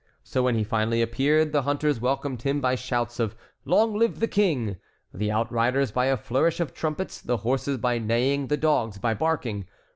So when he finally appeared, the hunters welcomed him by shouts of "Long live the King!" the outriders by a flourish of trumpets, the horses by neighing, the dogs by barking.